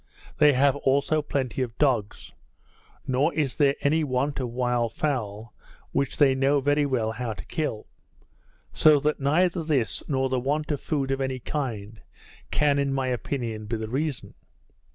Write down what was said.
They have also plenty of dogs; nor is there any want of wild fowl, which they know very well how to kill. So that neither this, nor the want of food of any kind, can, in my opinion, be the reason.